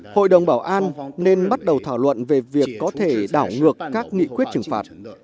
hội đồng bảo an nên bắt đầu thảo luận về việc có thể đảo ngược các nghị quyết trừng phạt